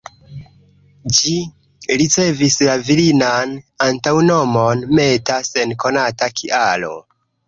Ĝi ricevis la virinan antaŭnomon ""Meta"" sen konata kialo.